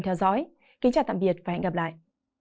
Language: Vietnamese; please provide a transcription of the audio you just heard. theo dõi kính chào tạm biệt và hẹn gặp lại